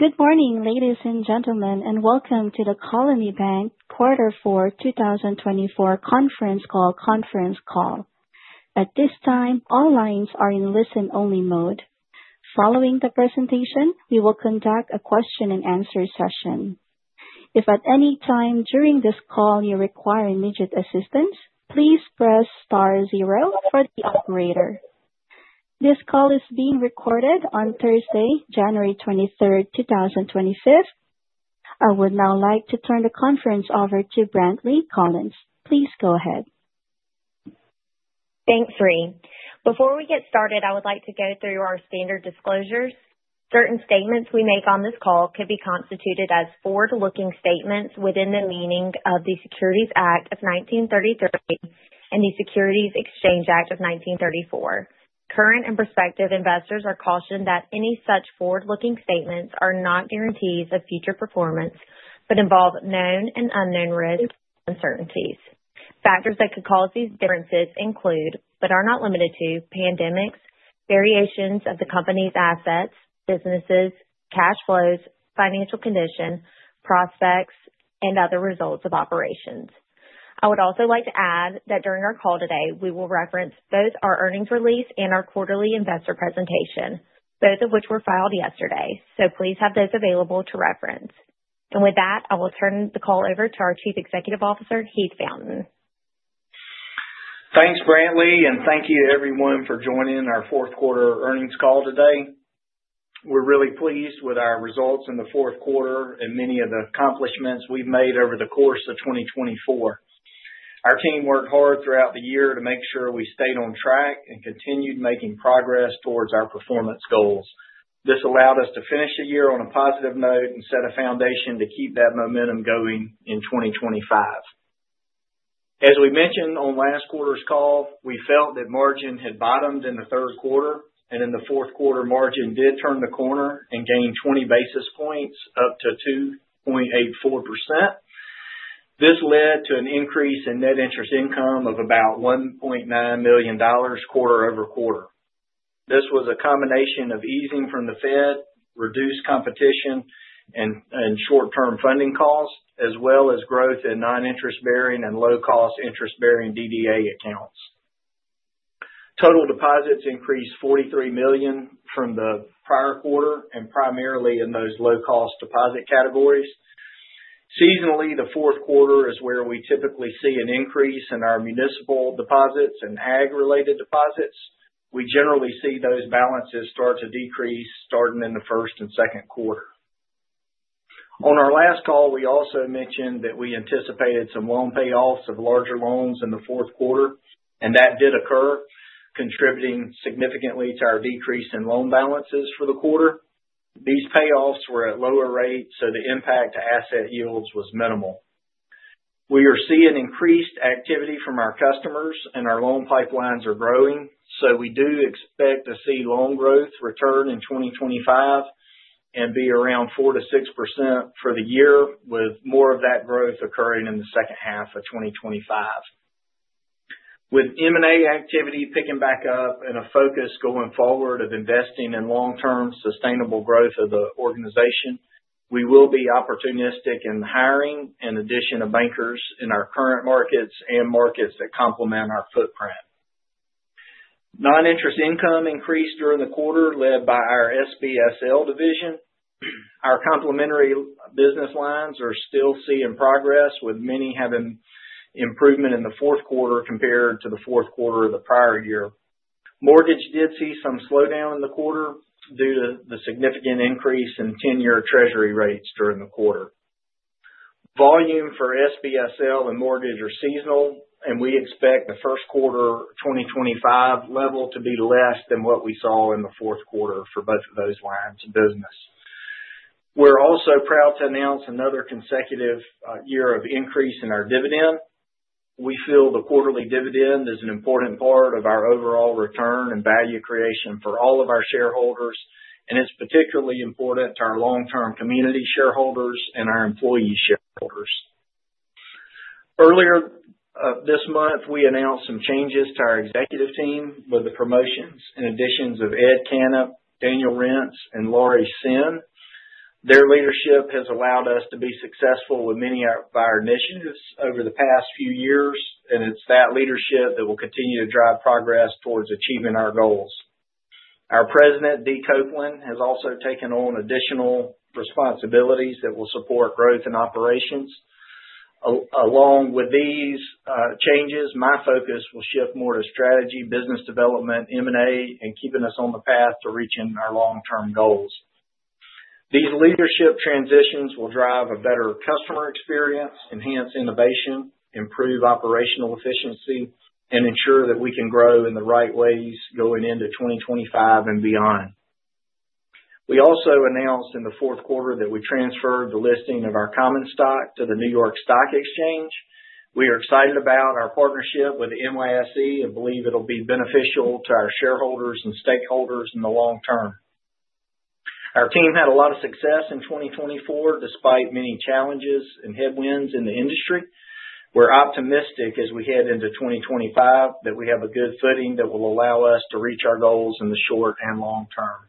Good morning, ladies and gentlemen, and welcome to the Colony Bank quarter 4, 2024 conference call. At this time, all lines are in listen-only mode. Following the presentation, we will conduct a question and answer session. If at any time during this call you require immediate assistance, please press star zero for the operator. This call is being recorded on Thursday, January 23rd, 2025. I would now like to turn the conference over to Brantley Collins. Please go ahead. Thanks, Reid. Before we get started, I would like to go through our standard disclosures. Certain statements we make on this call could be constituted as forward-looking statements within the meaning of the Securities Act of 1933 and the Securities Exchange Act of 1934. Current and prospective investors are cautioned that any such forward-looking statements are not guarantees of future performance but involve known and unknown risks and uncertainties. Factors that could cause these differences include, but are not limited to, pandemics, variations of the company's assets, businesses, cash flows, financial condition, prospects, and other results of operations. I would also like to add that during our call today, we will reference both our earnings release and our quarterly investor presentation, both of which were filed yesterday, so please have those available to reference. And with that, I will turn the call over to our Chief Executive Officer, Heath Fountain. Thanks, Brantley, and thank you to everyone for joining our fourth quarter earnings call today. We're really pleased with our results in the fourth quarter and many of the accomplishments we've made over the course of 2024. Our team worked hard throughout the year to make sure we stayed on track and continued making progress towards our performance goals. This allowed us to finish the year on a positive note and set a foundation to keep that momentum going in 2025. As we mentioned on last quarter's call, we felt that margin had bottomed in the third quarter, and in the fourth quarter, margin did turn the corner and gained 20 basis points up to 2.84%. This led to an increase in net interest income of about $1.9 million, quarter-over-quarter. This was a combination of easing from the Fed, reduced competition, and short-term funding costs, as well as growth in non-interest-bearing and low-cost interest-bearing DDA accounts. Total deposits increased $43 million from the prior quarter and primarily in those low-cost deposit categories. Seasonally, the fourth quarter is where we typically see an increase in our municipal deposits and ag-related deposits. We generally see those balances start to decrease starting in the first and second quarter. On our last call, we also mentioned that we anticipated some loan payoffs of larger loans in the fourth quarter, and that did occur, contributing significantly to our decrease in loan balances for the quarter. These payoffs were at lower rates, so the impact to asset yields was minimal. We are seeing increased activity from our customers, and our loan pipelines are growing, so we do expect to see loan growth return in 2025 and be around 4%-6% for the year, with more of that growth occurring in the second half of 2025. With M&A activity picking back up and a focus going forward of investing in long-term sustainable growth of the organization, we will be opportunistic in hiring and addition of bankers in our current markets and markets that complement our footprint. Non-interest income increased during the quarter led by our SBSL division. Our complementary business lines are still seeing progress, with many having improvement in the fourth quarter compared to the fourth quarter of the prior year. Mortgage did see some slowdown in the quarter due to the significant increase in 10-year Treasury rates during the quarter. Volume for SBSL and mortgage are seasonal, and we expect the first quarter 2025 level to be less than what we saw in the fourth quarter for both of those lines of business. We're also proud to announce another consecutive year of increase in our dividend. We feel the quarterly dividend is an important part of our overall return and value creation for all of our shareholders, and it's particularly important to our long-term community shareholders and our employee shareholders. Earlier this month, we announced some changes to our executive team with the promotions and additions of Ed Canup, Daniel Rintz, and Laurie Sinn. Their leadership has allowed us to be successful with many of our initiatives over the past few years, and it's that leadership that will continue to drive progress towards achieving our goals. Our President, Dee Copeland, has also taken on additional responsibilities that will support growth and operations. Along with these changes, my focus will shift more to strategy, business development, M&A, and keeping us on the path to reaching our long-term goals. These leadership transitions will drive a better customer experience, enhance innovation, improve operational efficiency, and ensure that we can grow in the right ways going into 2025 and beyond. We also announced in the fourth quarter that we transferred the listing of our common stock to the New York Stock Exchange. We are excited about our partnership with NYSE and believe it'll be beneficial to our shareholders and stakeholders in the long term. Our team had a lot of success in 2024 despite many challenges and headwinds in the industry. We're optimistic as we head into 2025 that we have a good footing that will allow us to reach our goals in the short and long term.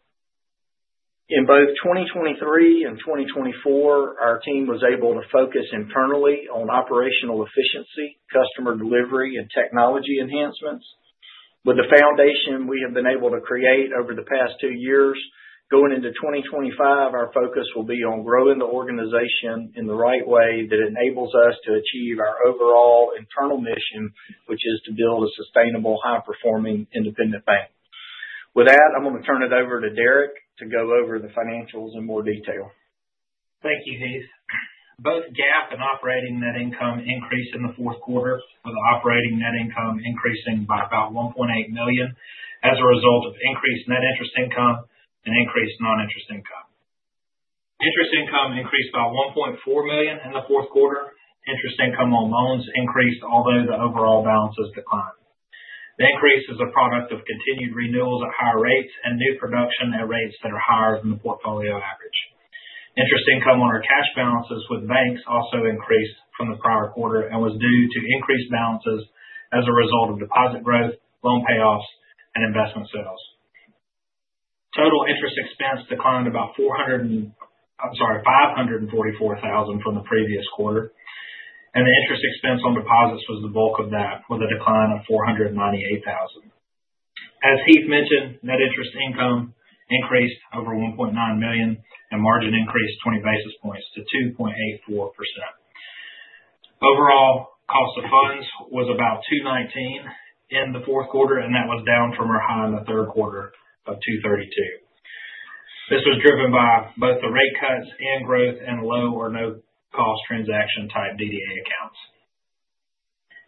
In both 2023 and 2024, our team was able to focus internally on operational efficiency, customer delivery, and technology enhancements. With the foundation we have been able to create over the past two years, going into 2025, our focus will be on growing the organization in the right way that enables us to achieve our overall internal mission, which is to build a sustainable, high-performing independent bank. With that, I'm going to turn it over to Derek to go over the financials in more detail. Thank you, Heath. Both GAAP and operating net income increased in the fourth quarter with operating net income increasing by about $1.8 million as a result of increased net interest income and increased non-interest income. Interest income increased by $1.4 million in the fourth quarter. Interest income on loans increased, although the overall balances declined. The increase is a product of continued renewals at higher rates and new production at rates that are higher than the portfolio average. Interest income on our cash balances with banks also increased from the prior quarter and was due to increased balances as a result of deposit growth, loan payoffs, and investment sales. Total interest expense declined about $544,000 from the previous quarter, and the interest expense on deposits was the bulk of that with a decline of $498,000. As Heath mentioned, net interest income increased over $1.9 million and margin increased 20 basis points to 2.84%. Overall, cost of funds was about 219 in the fourth quarter, and that was down from our high in the third quarter of 232. This was driven by both the rate cuts and growth and low or no-cost transaction type DDA accounts.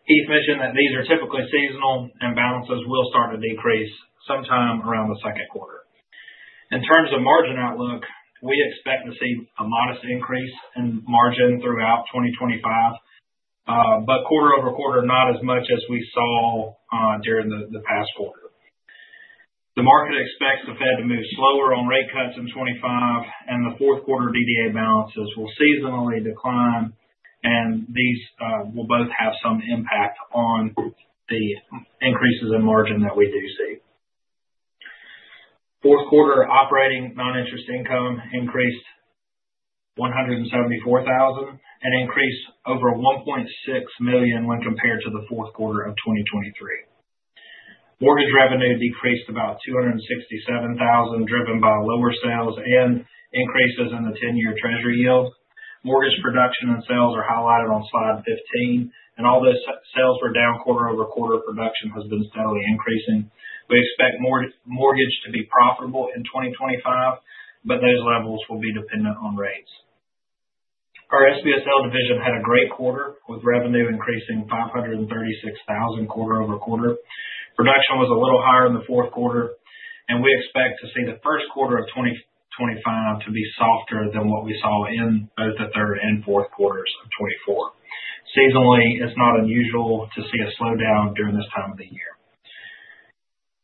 Heath mentioned that these are typically seasonal, and balances will start to decrease sometime around the second quarter. In terms of margin outlook, we expect to see a modest increase in margin throughout 2025, but quarter over quarter, not as much as we saw during the past quarter. The market expects the Fed to move slower on rate cuts in 2025, and the fourth quarter DDA balances will seasonally decline, and these will both have some impact on the increases in margin that we do see. Fourth quarter operating non-interest income increased $174,000 and increased over $1.6 million when compared to the fourth quarter of 2023. Mortgage revenue decreased about $267,000, driven by lower sales and increases in the 10-year Treasury yield. Mortgage production and sales are highlighted on slide 15, and although sales were down quarter over quarter, production has been steadily increasing. We expect mortgage to be profitable in 2025, but those levels will be dependent on rates. Our SBSL division had a great quarter with revenue increasing $536,000 quarter over quarter. Production was a little higher in the fourth quarter, and we expect to see the first quarter of 2025 to be softer than what we saw in both the third and fourth quarters of 2024. Seasonally, it's not unusual to see a slowdown during this time of the year.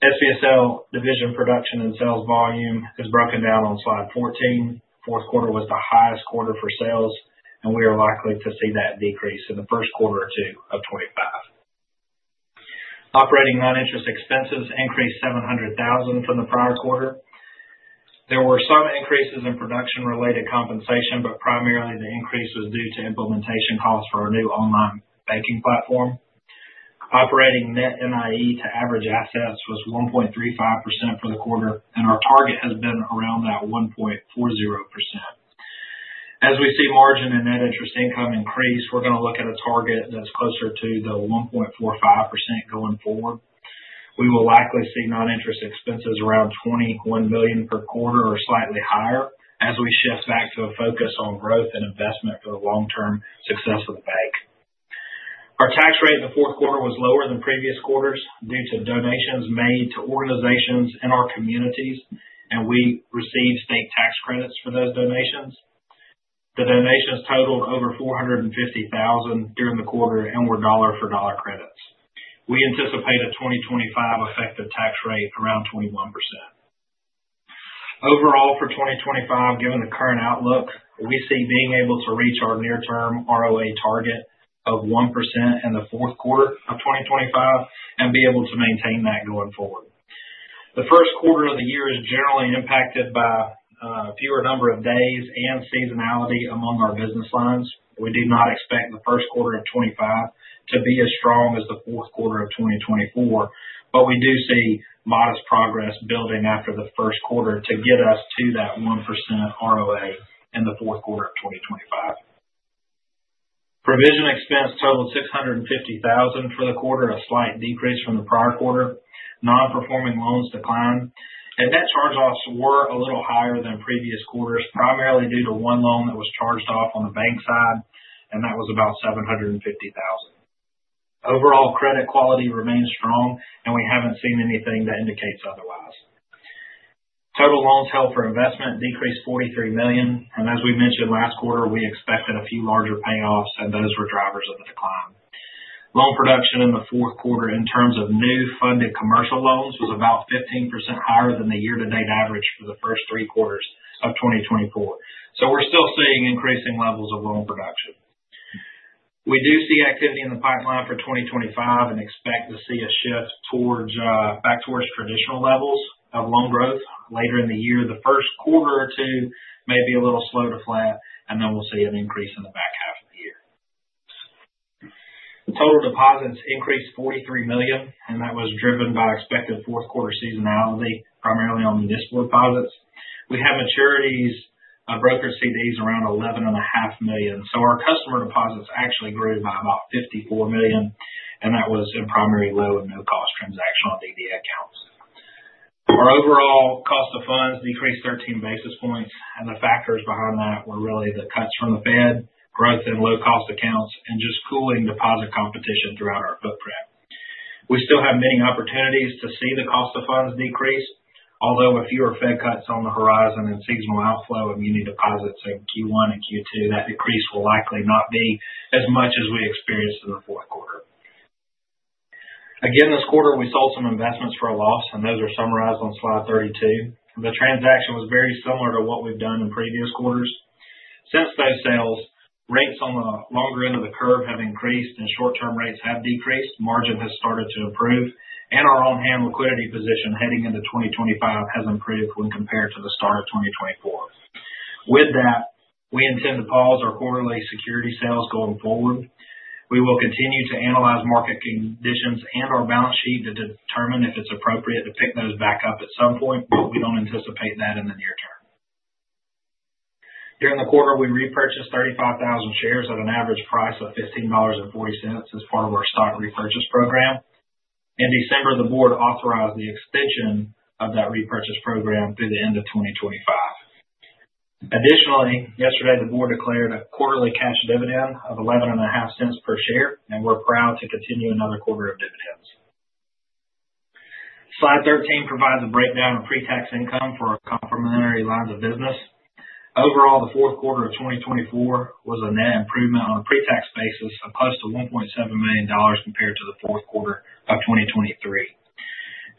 SBSL division production and sales volume is broken down on slide 14. Fourth quarter was the highest quarter for sales, and we are likely to see that decrease in the first quarter or two of 2025. Operating non-interest expenses increased $700,000 from the prior quarter. There were some increases in production-related compensation, but primarily the increase was due to implementation costs for our new online banking platform. Operating net NIE to average assets was 1.35% for the quarter, and our target has been around that 1.40%. As we see margin and net interest income increase, we're going to look at a target that's closer to the 1.45% going forward. We will likely see non-interest expenses around $21 million per quarter or slightly higher as we shift back to a focus on growth and investment for the long-term success of the bank. Our tax rate in the fourth quarter was lower than previous quarters due to donations made to organizations in our communities, and we received state tax credits for those donations. The donations totaled over $450,000 during the quarter and were dollar-for-dollar credits. We anticipate a 2025 effective tax rate around 21%. Overall for 2025, given the current outlook, we see being able to reach our near-term ROA target of 1% in the fourth quarter of 2025 and be able to maintain that going forward. The first quarter of the year is generally impacted by a fewer number of days and seasonality among our business lines. We do not expect the first quarter of 2025 to be as strong as the fourth quarter of 2024, but we do see modest progress building after the first quarter to get us to that 1% ROA in the fourth quarter of 2025. Provision expense totaled $650,000 for the quarter, a slight decrease from the prior quarter. Non-performing loans declined, and net charge-offs were a little higher than previous quarters, primarily due to one loan that was charged off on the bank side, and that was about $750,000. Overall, credit quality remains strong, and we haven't seen anything that indicates otherwise. Total loans held for investment decreased $43 million, and as we mentioned last quarter, we expected a few larger payoffs, and those were drivers of the decline. Loan production in the fourth quarter in terms of new funded commercial loans was about 15% higher than the year-to-date average for the first three quarters of 2024, so we're still seeing increasing levels of loan production. We do see activity in the pipeline for 2025 and expect to see a shift back towards traditional levels of loan growth later in the year. The first quarter or two may be a little slow to flat, and then we'll see an increase in the back half of the year. Total deposits increased $43 million, and that was driven by expected fourth quarter seasonality, primarily on municipal deposits. We had maturities brokered CDs around $11.5 million. So our customer deposits actually grew by about $54 million, and that was in primary low and no-cost transactional DDA accounts. Our overall cost of funds decreased 13 basis points, and the factors behind that were really the cuts from the Fed, growth in low-cost accounts, and just cooling deposit competition throughout our footprint. We still have many opportunities to see the cost of funds decrease, although with fewer Fed cuts on the horizon and seasonal outflow of unique deposits in Q1 and Q2, that decrease will likely not be as much as we experienced in the fourth quarter. Again, this quarter, we sold some investments for a loss, and those are summarized on slide 32. The transaction was very similar to what we've done in previous quarters. Since those sales, rates on the longer end of the curve have increased, and short-term rates have decreased. Margin has started to improve, and our on-hand liquidity position heading into 2025 has improved when compared to the start of 2024. With that, we intend to pause our quarterly securities sales going forward. We will continue to analyze market conditions and our balance sheet to determine if it's appropriate to pick those back up at some point, but we don't anticipate that in the near term. During the quarter, we repurchased 35,000 shares at an average price of $15.40 as part of our stock repurchase program. In December, the board authorized the extension of that repurchase program through the end of 2025. Additionally, yesterday, the board declared a quarterly cash dividend of $0.115 per share, and we're proud to continue another quarter of dividends. Slide 13 provides a breakdown of pre-tax income for our complementary lines of business. Overall, the fourth quarter of 2024 was a net improvement on a pre-tax basis of close to $1.7 million compared to the fourth quarter of 2023.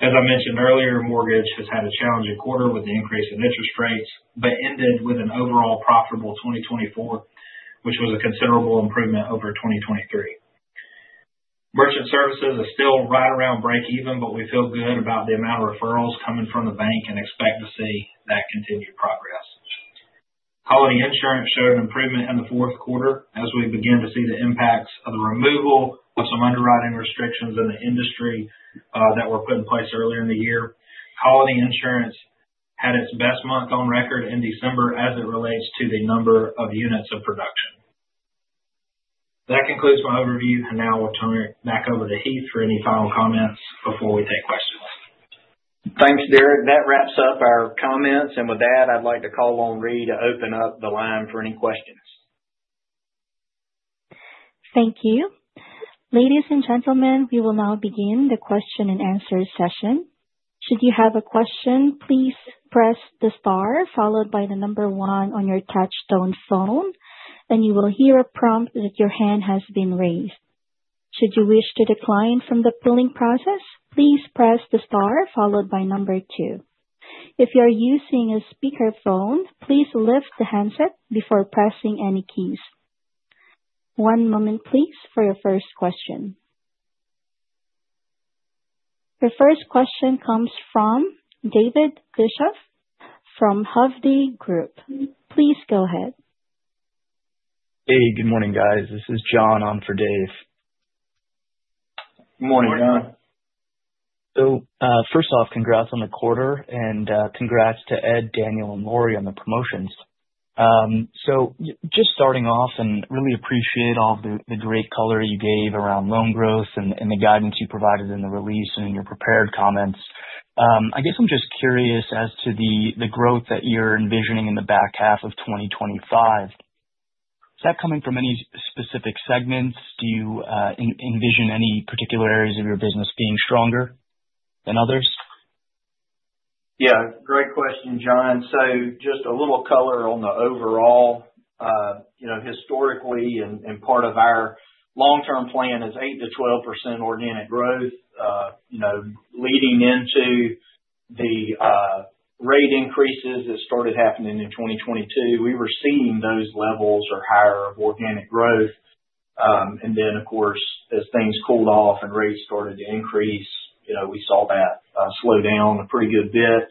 As I mentioned earlier, mortgage has had a challenging quarter with the increase in interest rates, but ended with an overall profitable 2024, which was a considerable improvement over 2023. Merchant services are still right around breakeven, but we feel good about the amount of referrals coming from the bank and expect to see that continued progress. Halliday Insurance showed an improvement in the fourth quarter as we began to see the impacts of the removal of some underwriting restrictions in the industry that were put in place earlier in the year. Halliday Insurance had its best month on record in December as it relates to the number of units of production. That concludes my overview, and now we'll turn it back over to Heath for any final comments before we take questions. Thanks, Derek. That wraps up our comments, and with that, I'd like to call on Reid to open up the line for any questions. Thank you. Ladies and gentlemen, we will now begin the question and answer session. Should you have a question, please press the star followed by the number one on your touch-tone phone, and you will hear a prompt that your hand has been raised. Should you wish to decline from the polling process, please press the star followed by number two. If you are using a speakerphone, please lift the handset before pressing any keys. One moment, please, for your first question. Your first question comes from David Bishop from Hovde Group. Please go ahead. Hey, good morning, guys. This is John on for Dave. Good morning, John. So first off, congrats on the quarter, and congrats to Ed, Daniel, and Laurie on the promotions. So just starting off, and really appreciate all of the great color you gave around loan growth and the guidance you provided in the release and in your prepared comments. I guess I'm just curious as to the growth that you're envisioning in the back half of 2025. Is that coming from any specific segments? Do you envision any particular areas of your business being stronger than others? Yeah, great question, John. So just a little color on the overall. Historically, and part of our long-term plan is 8%-12% organic growth. Leading into the rate increases that started happening in 2022, we were seeing those levels or higher of organic growth. And then, of course, as things cooled off and rates started to increase, we saw that slow down a pretty good bit.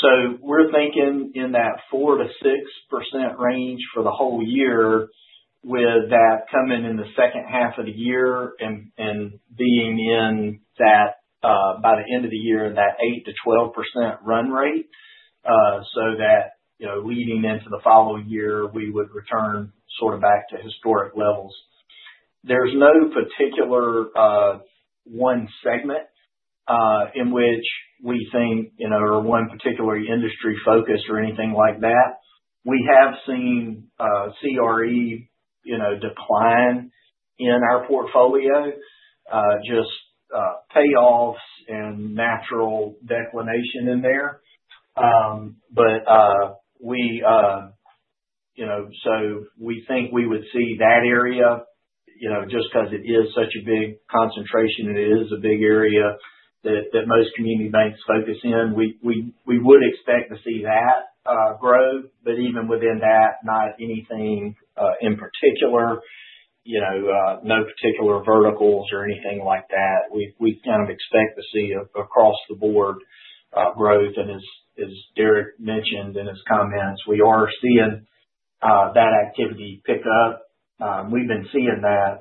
So we're thinking in that 4%-6% range for the whole year with that coming in the second half of the year and being in that by the end of the year, that 8%-12% run rate so that leading into the following year, we would return sort of back to historic levels. There's no particular one segment in which we think or one particular industry focus or anything like that. We have seen CRE decline in our portfolio, just payoffs and natural declination in there. But so we think we would see that area just because it is such a big concentration. It is a big area that most community banks focus in. We would expect to see that grow, but even within that, not anything in particular, no particular verticals or anything like that. We kind of expect to see across the board growth. And as Derek mentioned in his comments, we are seeing that activity pick up. We've been seeing that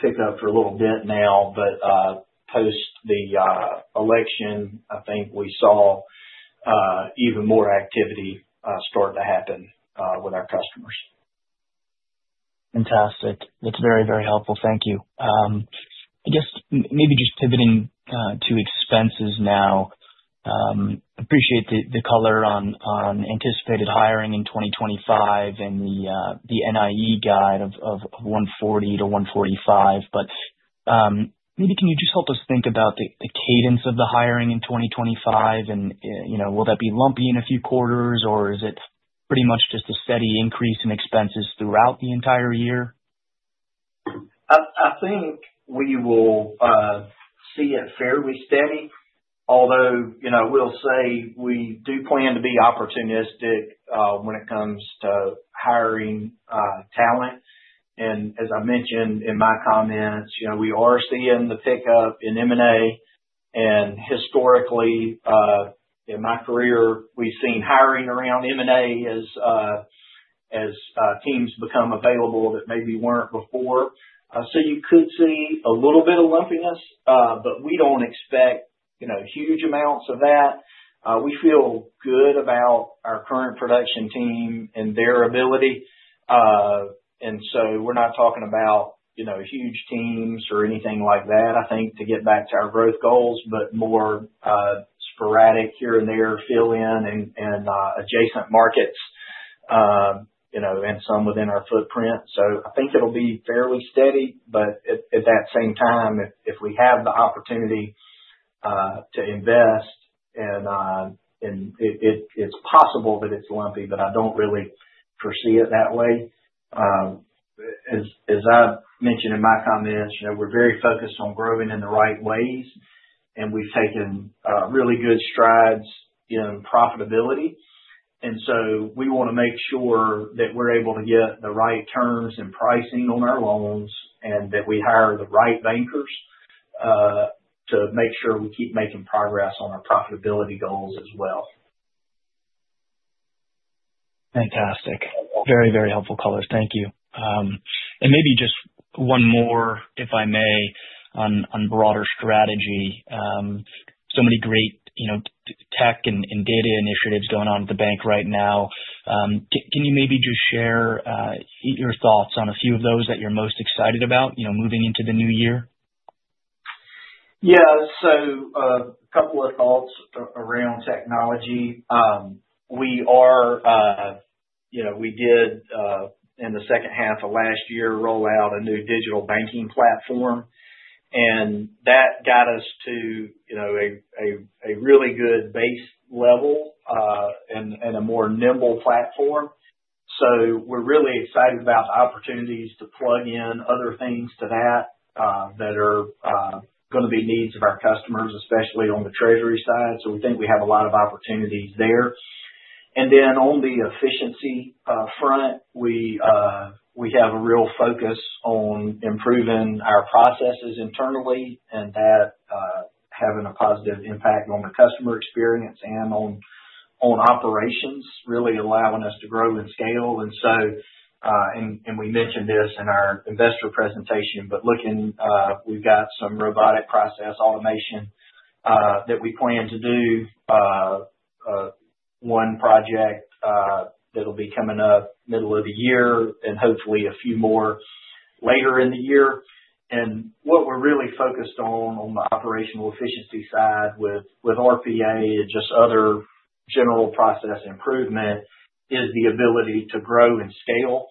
pick up for a little bit now, but post the election, I think we saw even more activity start to happen with our customers. Fantastic. That's very, very helpful. Thank you. I guess maybe just pivoting to expenses now. Appreciate the color on anticipated hiring in 2025 and the NIE guide of 140-145. But maybe can you just help us think about the cadence of the hiring in 2025? And will that be lumpy in a few quarters, or is it pretty much just a steady increase in expenses throughout the entire year? I think we will see it fairly steady, although we'll say we do plan to be opportunistic when it comes to hiring talent, and as I mentioned in my comments, we are seeing the pickup in M&A. Historically, in my career, we've seen hiring around M&A as teams become available that maybe weren't before, so you could see a little bit of lumpiness, but we don't expect huge amounts of that. We feel good about our current production team and their ability, and so we're not talking about huge teams or anything like that, I think, to get back to our growth goals, but more sporadic here and there fill in and adjacent markets and some within our footprint. I think it'll be fairly steady, but at the same time, if we have the opportunity to invest, and it's possible that it's lumpy, but I don't really foresee it that way. As I mentioned in my comments, we're very focused on growing in the right ways, and we've taken really good strides in profitability. And so we want to make sure that we're able to get the right terms and pricing on our loans and that we hire the right bankers to make sure we keep making progress on our profitability goals as well. Fantastic. Very, very helpful colors. Thank you, and maybe just one more, if I may, on broader strategy, so many great tech and data initiatives going on at the bank right now. Can you maybe just share your thoughts on a few of those that you're most excited about moving into the new year? Yeah. So a couple of thoughts around technology. We did, in the second half of last year, roll out a new digital banking platform, and that got us to a really good base level and a more nimble platform. So we're really excited about the opportunities to plug in other things to that that are going to be needs of our customers, especially on the treasury side. So we think we have a lot of opportunities there. And then on the efficiency front, we have a real focus on improving our processes internally and that having a positive impact on the customer experience and on operations, really allowing us to grow and scale. And we mentioned this in our investor presentation, but looking, we've got some robotic process automation that we plan to do one project that'll be coming up middle of the year and hopefully a few more later in the year. And what we're really focused on the operational efficiency side with RPA and just other general process improvement is the ability to grow and scale.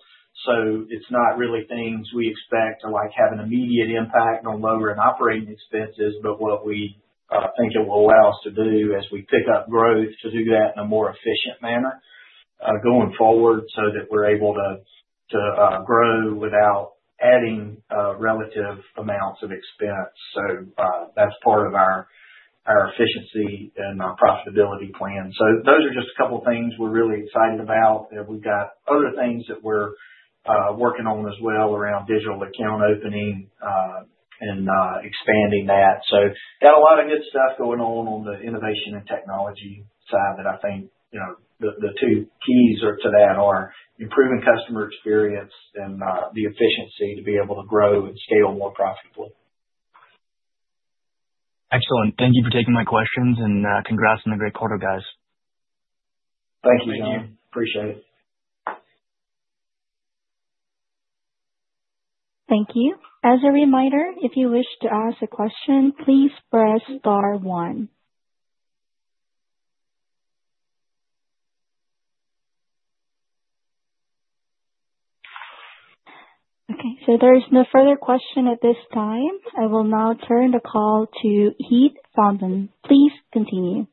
So it's not really things we expect to have an immediate impact on lowering operating expenses, but what we think it will allow us to do as we pick up growth to do that in a more efficient manner going forward so that we're able to grow without adding relative amounts of expense. So that's part of our efficiency and our profitability plan. So those are just a couple of things we're really excited about. We've got other things that we're working on as well around digital account opening and expanding that. So, got a lot of good stuff going on the innovation and technology side that I think the two keys to that are improving customer experience and the efficiency to be able to grow and scale more profitably. Excellent. Thank you for taking my questions and congrats on the great quarter, guys. Thank you, John. Appreciate it. Thank you. As a reminder, if you wish to ask a question, please press star one. Okay. So there is no further question at this time. I will now turn the call to Heath Fountain. Please continue.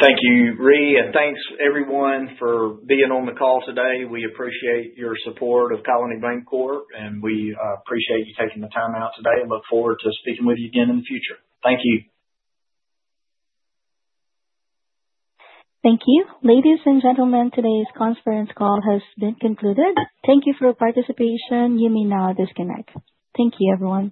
Thank you, Reid, and thanks everyone for being on the call today. We appreciate your support of Colony Bankcorp, and we appreciate you taking the time out today and look forward to speaking with you again in the future. Thank you. Thank you. Ladies and gentlemen, today's conference call has been concluded. Thank you for your participation. You may now disconnect. Thank you, everyone.